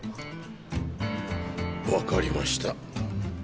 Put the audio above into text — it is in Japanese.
分かりました。